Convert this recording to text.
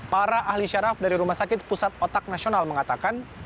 para ahli syaraf dari rumah sakit pusat otak nasional mengatakan